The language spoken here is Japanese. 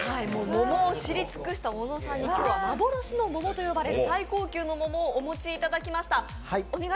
桃を知り尽くした小野さんに今日は最高級の桃をお持ちいただきました。